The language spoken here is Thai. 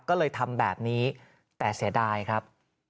ก็เลยทำแบบนี้แต่เสียดายครับ